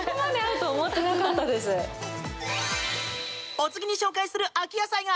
お次に紹介する秋野菜が。